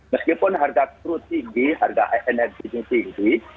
meskipun harga kru tinggi harga energinya tinggi